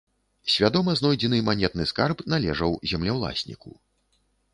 Свядома знойдзены манетны скарб належаў землеўласніку.